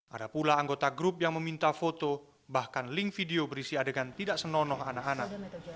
ada pula anggota grup yang meminta foto bahkan link video berisi adegan tidak senonoh anak anak